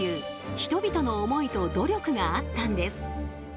人々の思いと努力があったんです。